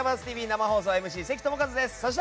生放送、ＭＣ関智一です。